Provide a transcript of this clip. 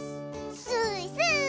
スイスイ！